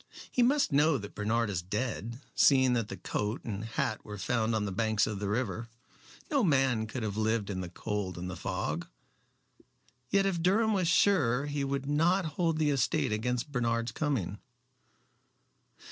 "He must know that Bernard is dead, seeing that the coat and hat were found on the banks of the river. No man could have lived in the cold and the fog. Yet if Durham was sure he would not hold the estate against Bernard's coming."